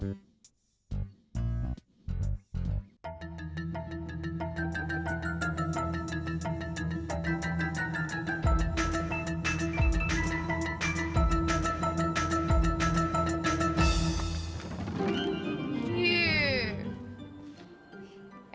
yuk kita ke sini